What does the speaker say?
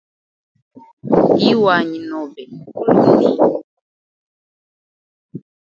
Iwanyi nobe guluni?